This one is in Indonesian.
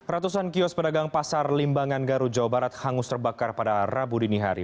ratusan kios pedagang pasar limbangan garut jawa barat hangus terbakar pada rabu dini hari